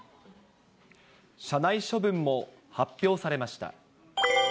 社内処分も発表されました。